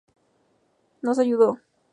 Nos ayudo.